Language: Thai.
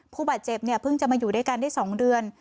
ผู้บาดเจ็บเนี่ยเพิ่งจะมาอยู่ด้วยกันได้๒เดือน